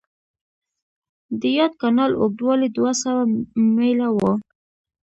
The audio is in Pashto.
د یاد کانال اوږدوالی دوه سوه میله و.